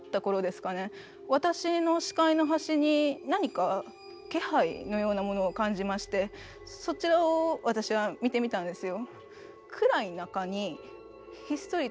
私の視界の端に何か気配のようなものを感じましてそちらを私は見てみたんですよ。